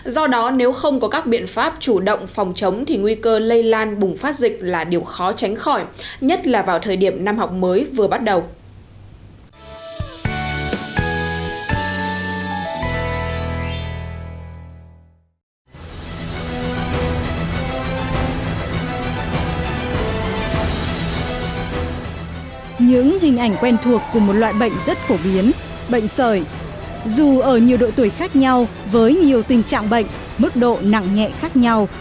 do đó nếu không có các biện pháp chủ động phòng chống thì nguy cơ lây lan bùng phát dịch là điều khó tránh khỏi nhất là vào thời điểm năm học mới vừa bắt đầu